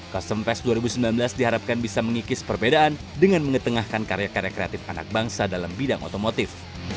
custom fest dua ribu sembilan belas diharapkan bisa mengikis perbedaan dengan mengetengahkan karya karya kreatif anak bangsa dalam bidang otomotif